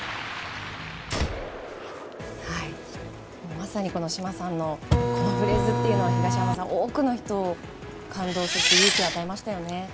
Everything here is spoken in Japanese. まさに嶋さんのこのフレーズというのは東山さん、多くの人を感動そして勇気を与えましたよね。